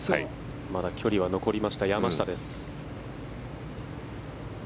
まだ距離は残りました山下です。